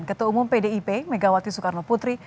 ketua umum pdip megawati soekarno putri